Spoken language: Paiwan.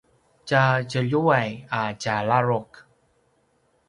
tja djeljuway a tja ladruq